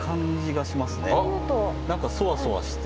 何かそわそわして。